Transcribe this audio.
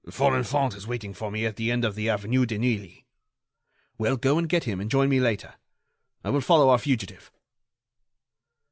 "Folenfant is waiting for me at the end of the avenue de Neuilly." "Well, go and get him and join me later. I will follow our fugitive."